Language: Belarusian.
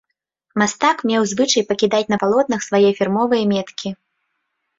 Мастак меў звычай пакідаць на палотнах свае фірмовыя меткі.